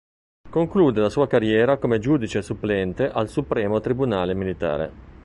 Conclude la sua carriera come giudice supplente al supremo Tribunale militare.